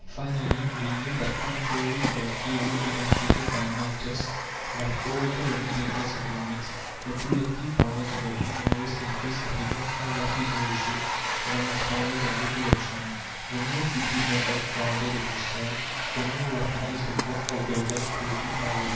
Finally, we know that contrary to the theory enunciated by Malthus that Oracle of middle class Economics the productive powers of the human race increase at a much more rapid ratio than its powers of reproduction. The more thickly men are crowded on the soil, the more rapid is the growth of their wealth creating power.